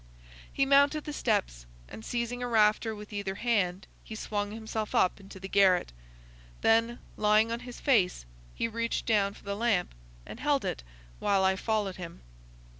He mounted the steps, and, seizing a rafter with either hand, he swung himself up into the garret. Then, lying on his face, he reached down for the lamp and held it while I followed him.